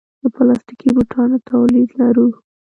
د پلاستیکي بوټانو تولید لرو؟